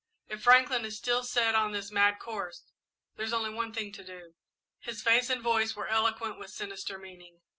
If Franklin is still set on this mad course, there's only one thing to do." His face and voice were eloquent with sinister meaning.